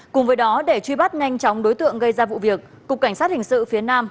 cùng với đó để truy bắt nhanh chóng đối tượng gây ra vụ việc cục cảnh sát hình sự phía nam